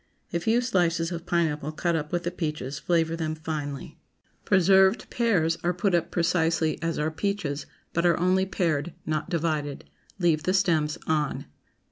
A few slices of pineapple cut up with the peaches flavor them finely. PRESERVED PEARS Are put up precisely as are peaches, but are only pared, not divided. Leave the stems on.